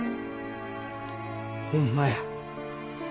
ホンマや。